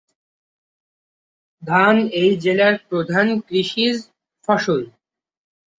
ধান এই জেলার প্রধান কৃষিজ ফসল।